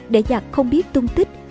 để giặc không biết tung tích